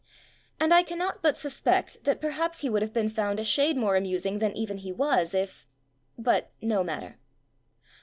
And I cannot but suspect that perhaps he would have been found a shade more amus ing than even he was if. . .but, no mat ter.